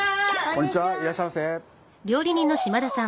こんにちはいらっしゃいませ。